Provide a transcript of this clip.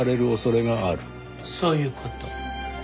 そういう事。